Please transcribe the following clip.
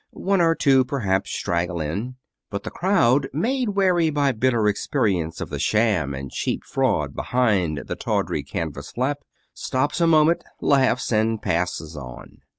One or two, perhaps, straggle in. But the crowd, made wary by bitter experience of the sham and cheap fraud behind the tawdry canvas flap, stops a moment, laughs, and passes on.